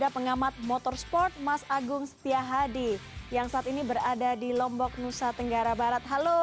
pengamat motorsport mas agung setia hadi yang saat ini berada di lombok nusa tenggara barat halo